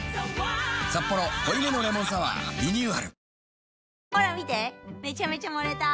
「サッポロ濃いめのレモンサワー」リニューアル